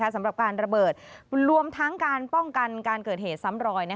สำหรับการระเบิดรวมทั้งการป้องกันการเกิดเหตุซ้ำรอย